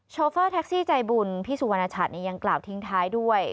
โฟเฟอร์แท็กซี่ใจบุญพี่สุวรรณชัดยังกล่าวทิ้งท้ายด้วย